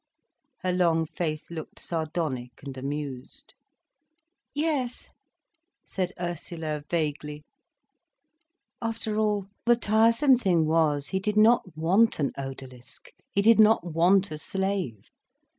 Her long face looked sardonic and amused. "Yes," said Ursula vaguely. After all, the tiresome thing was, he did not want an odalisk, he did not want a slave.